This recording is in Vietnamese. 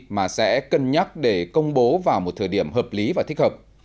mà sẽ cân nhắc để công bố vào một thời điểm hợp lý và thích hợp